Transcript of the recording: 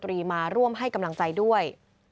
รีมาร่วมให้กำลังใจด้วย